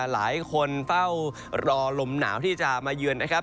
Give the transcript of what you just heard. หลายคนเฝ้ารอลมหนาวที่จะมาเยือนนะครับ